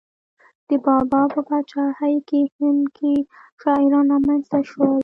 د بابا په پاچاهۍ کې هند کې شاعران را منځته شول.